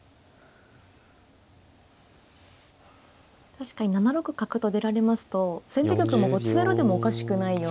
確かに７六角と出られますと先手玉も詰めろでもおかしくないような。